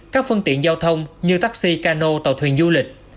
các phương tiện giao thông như taxi cano tàu thuyền du lịch